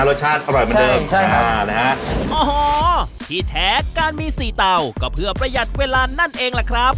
รสชาติอร่อยเหมือนเดิมใช่ค่ะนะฮะโอ้โหที่แท้การมีสี่เตาก็เพื่อประหยัดเวลานั่นเองล่ะครับ